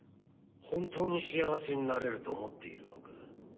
本当に幸せになれると思っているのか？